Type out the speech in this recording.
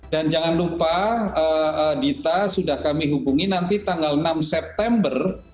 dan jangan lupa dita sudah kami hubungi nanti tanggal enam september